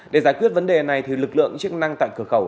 để giải quyết vấn đề này lực lượng chức năng tại cửa khẩu